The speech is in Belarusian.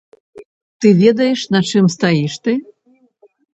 Ты ведаеш, на чым стаіш ты?!